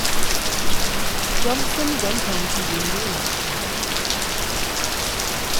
Johnson went on to win the election.